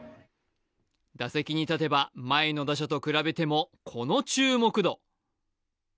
打席に立てば前の打者と比べてもこの注目度。